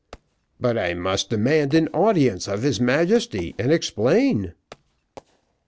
"But I must demand an audience of his Majesty and explain."